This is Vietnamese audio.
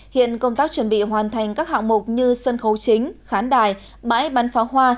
hiện công tác chuẩn bị hoàn thành các hạng mục như sân khấu chính khán đài bãi bắn pháo hoa